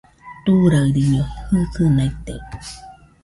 Turaɨriño jɨsɨnaite